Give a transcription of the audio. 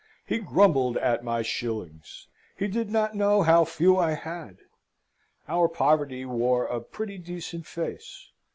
He grumbled at my shillings: he did not know how few I had. Our poverty wore a pretty decent face.